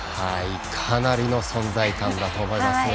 かなりの存在感だと思いますね。